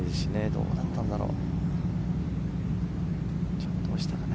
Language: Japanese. どうだったんだろう。